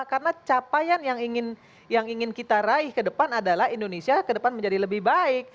karena capaian yang ingin kita raih ke depan adalah indonesia ke depan menjadi lebih baik